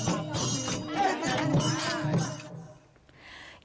โอ้โห